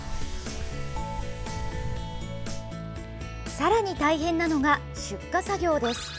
さらに大変なのが出荷作業です。